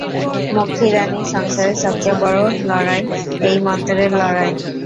মক্ষীরানী, সংসারে সব চেয়ে বড়ো লড়াই এই মন্ত্রের লড়াই।